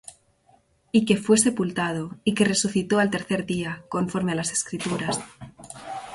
Y que fué sepultado, y que resucitó al tercer día, conforme á las Escrituras;